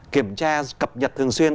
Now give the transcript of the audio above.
kiểm tra cập nhật thường xuyên